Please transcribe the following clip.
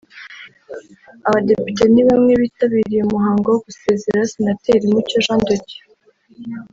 abadepite ni bamwe mu bitabiriye umuhango wo gusezera senateri Mucyo Jean De Dieu